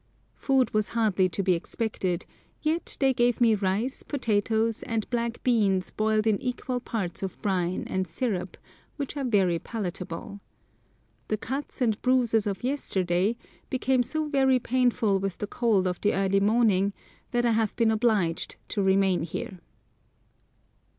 Food was hardly to be expected, yet they gave me rice, potatoes, and black beans boiled in equal parts of brine and syrup, which are very palatable. The cuts and bruises of yesterday became so very painful with the cold of the early morning that I have been obliged to remain here.